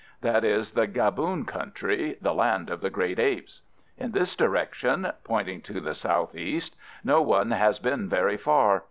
That is the Gaboon country—the land of the great apes. In this direction," pointing to the south east, "no one has been very far.